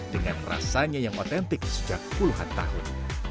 dengan rasanya yang otentik sejak puluhan tahun